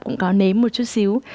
cũng có nếm một chút xíu